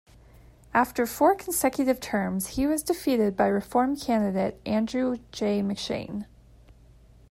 After four consecutive terms he was defeated by reform candidate Andrew J. McShane.